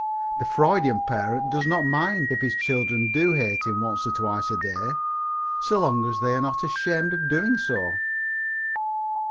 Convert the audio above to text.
The Freudian parent does not mind if his children do hate him once or twice a day, so long as they are not ashamed of doing so.